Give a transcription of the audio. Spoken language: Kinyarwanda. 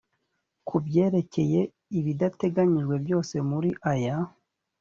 ku byerekeye ibidateganijwe byose muri aya